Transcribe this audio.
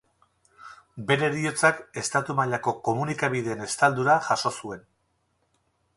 Bere heriotzak estatu mailako komunikabideen estaldura jaso zuen.